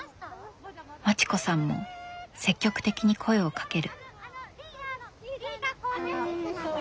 まちこさんも積極的に声をかける。